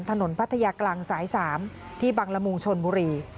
ถนนพัทยากลางสายสามที่บังลมูงชนบุรี